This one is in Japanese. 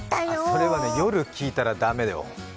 それはね、夜聞いたら駄目だよ。